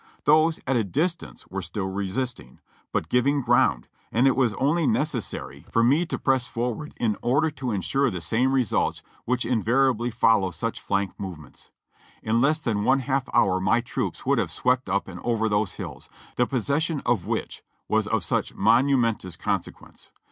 Those at a distance were still resisting, but giving ground, and it was only necessary for me GETTYSBURG 399 to press forward in order to insure the same results which invar iably follow such flank movements. In less than one half hour my "troops would have swept up and over those hills, the posses sion of which was of such momentous consequence.